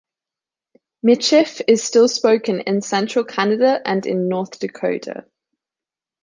Michif is still spoken in central Canada and in North Dakota.